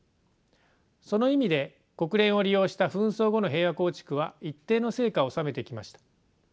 その意味で国連を利用した紛争後の平和構築は一定の成果を収めてきました。